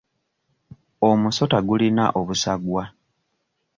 Omusota gulina obusagwa.